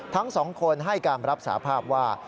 ทั้งสองคนให้การรับสาภาพว่า